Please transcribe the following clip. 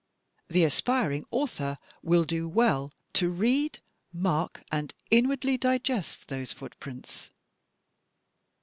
The aspiring author will do well to read, mark and inwardly digest those footprints.